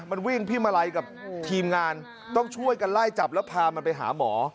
มันวิ่งพี่มาลัยกับทีมงานต้องช่วยกันไล่จับแล้วพามันไปหาหมอ